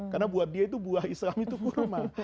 karena buat dia itu buah islam itu kurma